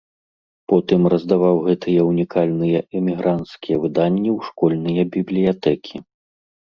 Потым раздаваў гэтыя ўнікальныя эмігранцкія выданні ў школьныя бібліятэкі.